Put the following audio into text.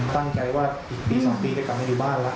ตั้งใจว่าอีกปี๒ปีจะกลับมาอยู่บ้านแล้ว